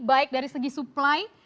baik dari segi supply